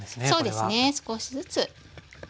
そうですね少しずつ。